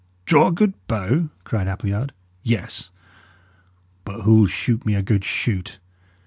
"Draw a good bow!" cried Appleyard. "Yes! But who'll shoot me a good shoot?